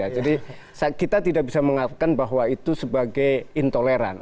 jadi kita tidak bisa mengatakan bahwa itu sebagai intoleran